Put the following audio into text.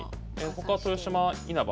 他豊島稲葉